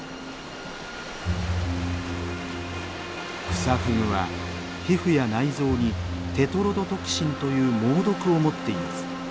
クサフグは皮膚や内臓にテトロドトキシンという猛毒を持っています。